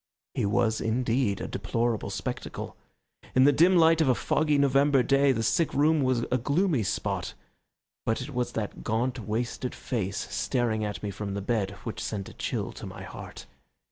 He was indeed a deplorable spectacle. In the dim light of a foggy November day the sick room was a gloomy spot, but it was that gaunt, wasted face staring at me from the bed which sent a chill to my heart.